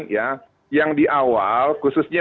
yang di awal khususnya